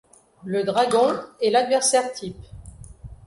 Le dragon est l'adversaire-type.